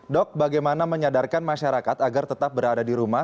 dok bagaimana menyadarkan masyarakat agar tetap berada di rumah